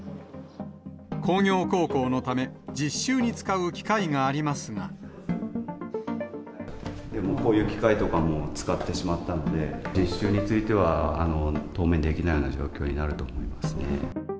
工業高校のため、こういう機械とかもつかってしまったんで、実習については、当面できないような状況になると思いますね。